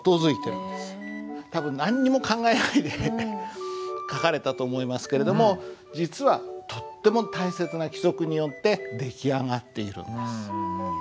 多分何にも考えないで書かれたと思いますけれども実はとっても大切な規則によって出来上がっているんです。